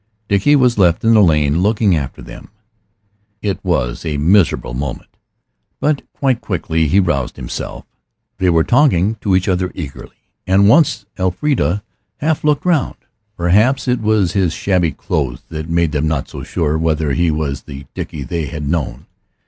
Dickie was left in the lane looking after them. It was a miserable moment. But quite quickly he roused himself. They were talking to each other eagerly, and once Elfrida half looked round. Perhaps it was his shabby clothes that made them not so sure whether he was the Dickie they had known.